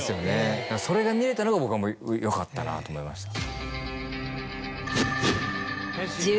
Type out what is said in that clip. それが見れたのが僕はもうよかったなと思いました。